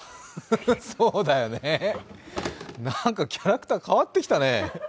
そうだよね、なんかキャラクター変わってきたね。